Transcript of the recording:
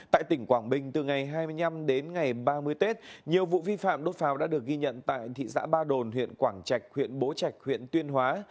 tại tỉnh quảng bình từ ngày hai mươi năm đến ngày ba mươi tết nhiều vụ vi phạm đốt pháo đã được ghi nhận tại thị xã ba đồn huyện quảng trạch huyện bố trạch huyện tuyên hóa